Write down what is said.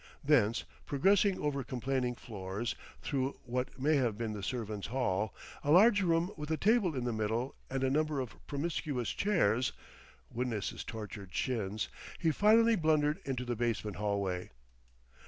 Thence progressing over complaining floors through what may have been the servants' hall, a large room with a table in the middle and a number of promiscuous chairs (witness his tortured shins!), he finally blundered into the basement hallway.